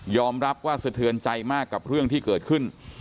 ยอมรับว่าเสือเถินใจมากกับเรื่องที่เกิดขึ้น